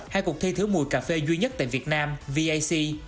hai cuộc thi thử mùi cà phê duy nhất tại việt nam vac